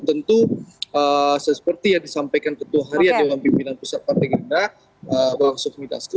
tentu seseperti yang disampaikan ketua harian dewan pimpinan pusat partai gerindra bang soekarno mittasku